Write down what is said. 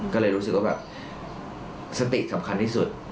ก็เลยรู้สึกว่าแบบสติสำคัญที่สุด